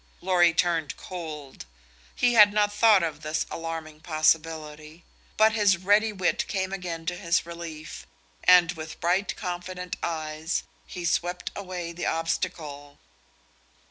Lorry turned cold. He had not thought of this alarming possibility. But his ready wit came again to his relief, and with bright, confident eyes he swept away the obstacle.